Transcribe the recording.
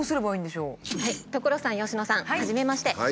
所さん佳乃さんはじめまして。